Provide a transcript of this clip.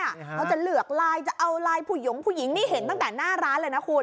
เขาจะเหลือกลายจะเอาไลน์ผู้หยงผู้หญิงนี่เห็นตั้งแต่หน้าร้านเลยนะคุณ